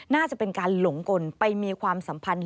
น่าจะเป็นการหลงกลไปมีความสัมพันธ์